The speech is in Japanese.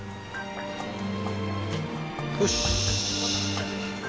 よし！